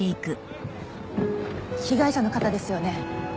被害者の方ですよね？